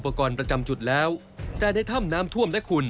อุปกรณ์ตตยอบจุดแล้ว